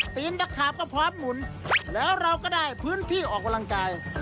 ตะขาบก็พร้อมหมุนแล้วเราก็ได้พื้นที่ออกกำลังกาย